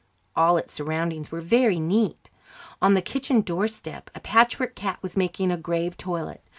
All its surroundings were very neat. On the kitchen doorstep a patchwork cat was making a grave toilet.